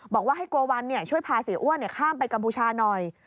บอกว่าให้โกวัลช่วยพาเสียอ้วนข้ามไปกัมพูชาหน่อย